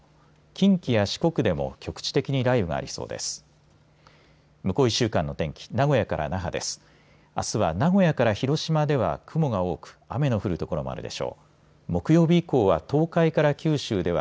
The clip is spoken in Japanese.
近畿や四国でも局地的に雷雨がありそうです。